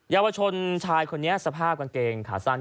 เยาวชนชายคนนี้สภาพกางเกงขาสั้น